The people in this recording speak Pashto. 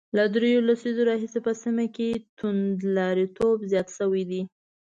له درېو لسیزو راهیسې په سیمه کې توندلاریتوب زیات شوی دی